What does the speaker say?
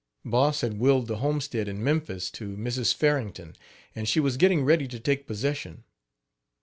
Boss had willed the homestead in Memphis to Mrs Farrington, and she was getting, ready to take possession.